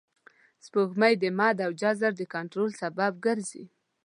سپوږمۍ د مد او جزر د کنټرول سبب ګرځي